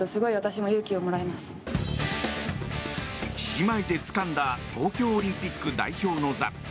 姉妹でつかんだ東京オリンピック代表の座。